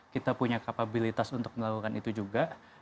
kita punya kapabilitas untuk melakukan itu juga